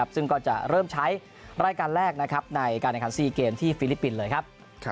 ซึ่งก็จะเริ่มใช้รายการแรกในการแข่งขัน๔เกมที่ฟิลิปปินส์เลยครับ